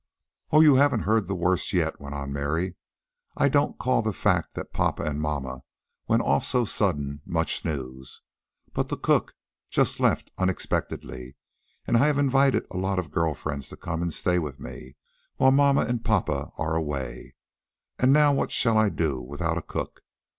"Oh, you haven't heard the worst yet," went on Mary. "I don't call the fact that papa and mamma went off so suddenly much news. But the cook just left unexpectedly, and I have invited a lot of girl friends to come and stay with me, while mamma and papa are away; and now what shall I do without a cook?